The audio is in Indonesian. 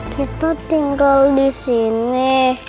kita tinggal disini